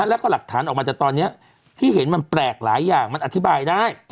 แล้วก็หลักฐานออกมาจากตอนนี้ที่เห็นมันแปลกหลายอย่างมันอธิบายได้